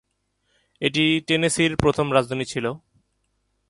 এটি টেনেসির প্রথম রাজধানী ছিল।